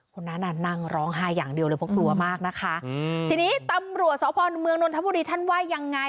คนนั้นน่ะนั่งร้องไห้อย่างเดียวเลยเพราะกลัวมากนะคะทีนี้ตำรวจสพเมืองนนทบุรีท่านว่ายังไง